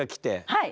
はい！